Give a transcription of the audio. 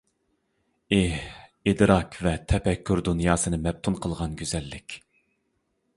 ئېھ، ئىدراك ۋە تەپەككۇر دۇنياسىنى مەپتۇن قىلغان گۈزەللىك!